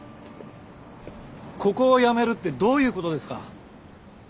ここを辞めるってどういう事ですか？